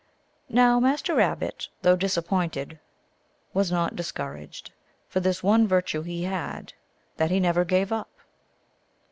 Now Master Rabbit, though disappointed, was not discouraged, for this one virtue he had, that he never gave up.